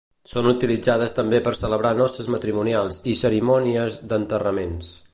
Són utilitzades també per celebrar noces matrimonials i cerimònies d'enterraments.